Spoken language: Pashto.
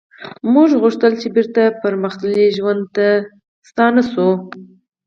موږ غوښتل چې بیرته پرمختللي ژوند ته ستانه شو